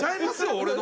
俺の。